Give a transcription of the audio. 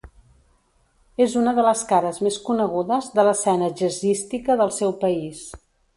És una de les cares més conegudes de l'escena jazzística del seu país.